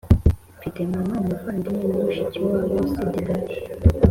mfite mama, umuvandimwe na mushikiwabo, usibye data.